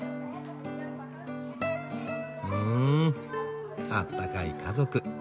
んあったかい家族。